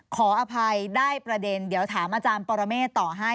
ขออภัยได้ประเด็นเดี๋ยวถามอาจารย์ปรเมฆต่อให้